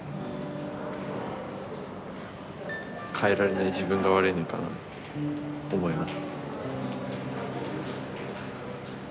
変えられない自分が悪いのかなって思います。